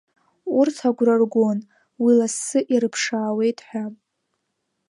Урҭ агәра ргон, уи лассы ирыԥшаауеит ҳәа.